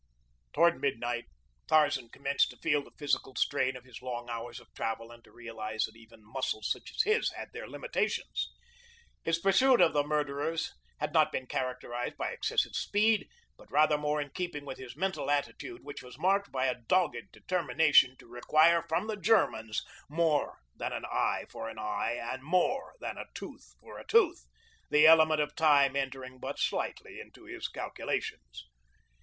Toward midnight Tarzan commenced to feel the physical strain of his long hours of travel and to realize that even muscles such as his had their limitations. His pursuit of the murderers had not been characterized by excessive speed; but rather more in keeping with his mental attitude, which was marked by a dogged determination to require from the Germans more than an eye for an eye and more than a tooth for a tooth, the element of time entering but slightly into his calculations.